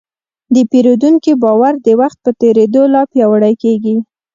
د پیرودونکي باور د وخت په تېرېدو لا پیاوړی کېږي.